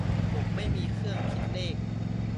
"ผมไม่มีเครื่องคิดเลข"